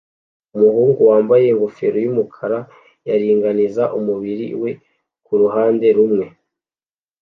Umuhungu wambaye ingofero yumukara yaringaniza umubiri we kuruhande rumwe